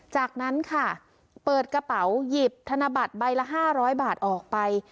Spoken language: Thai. จากนั้นค่ะเปิดกระเป๋าหยิบธนบัตรใบละ๕๐๐บาทออกไป